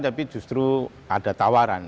tapi justru ada tawaran